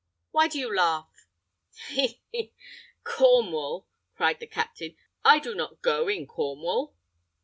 Why do you laugh?" "He! he! Cornwall," cried the captain; "I do not go in Cornwall."